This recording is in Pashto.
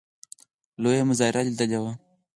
لویه مظاهره لیدلې وه.